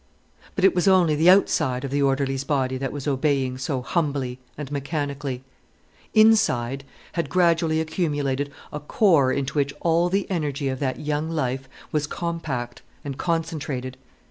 But it was only the outside of the orderly's body that was obeying so humbly and mechanically. Inside had gradually accumulated a core into which all the energy of that young life was compact and concentrated.